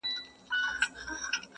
نن هغه غشي د خور ټيكري پېيلي!